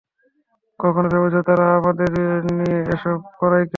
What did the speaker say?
কখনো ভেবেছো তারা আমাদের দিয়ে এসব করায় কেন?